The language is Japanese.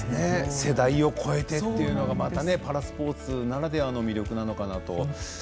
世代を超えてっていうのがまたパラスポーツならではの魅力なのかなと。